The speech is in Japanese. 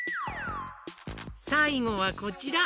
さいごはこちら。